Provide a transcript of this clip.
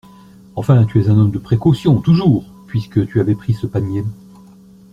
Enfin, tu es un homme de précaution, toujours … puisque tu avais pris ce panier.